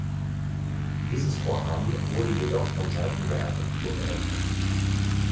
Dieses Vorhaben wurde jedoch von Seiten der Agentur beendet.